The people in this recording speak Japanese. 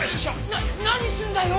な何すんだよ！